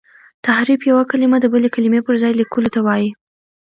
تحريف یو کلمه د بلي کلمې پر ځای لیکلو ته وايي.